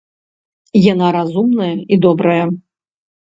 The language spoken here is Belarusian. Яна разумная і добрая.